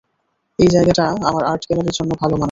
এই জায়গাটা আমার আর্ট গ্যালারির জন্য ভালো মানাবে।